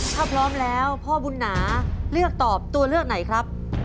ถ้าพร้อมแล้วพ่อบุญหนาเลือกตอบตัวเลือกไหนครับ